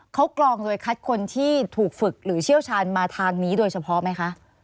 เขากรองโดยคัดคนที่ถูกฝึกหรือเชี่ยวชาญมาทางนี้โดยเฉพาะไหมคะ